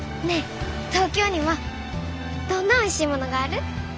ねえ東京にはどんなおいしいものがある？